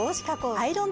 アイロン